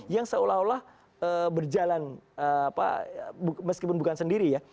yang seolah olah berjalan meskipun bukan sendiri ya